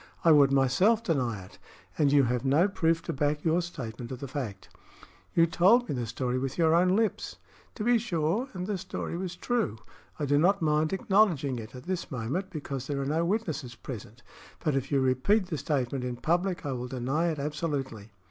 I would myself deny it, and you have no proof to back your statement of the fact." "You told me the story with your own lips." "To be sure and the story was true. I do not mind acknowledging it at this moment, because there are no witnesses present; but if you repeat the statement in public, I will deny it absolutely."